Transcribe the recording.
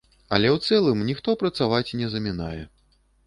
Але ў цэлым, ніхто працаваць не замінае.